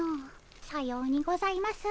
さようにございますねえ。